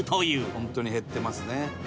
「ホントに減ってますね」